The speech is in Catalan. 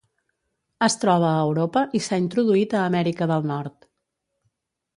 Es troba a Europa i s'ha introduït a Amèrica del Nord.